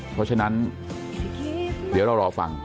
เพราะฉะนั้นเดี๋ยวเรารอฟัง